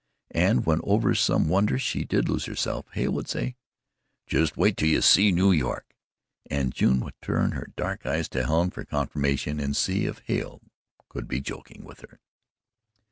And when over some wonder she did lose herself, Hale would say: "Just wait till you see New York!" and June would turn her dark eyes to Helen for confirmation and to see if Hale could be joking with her.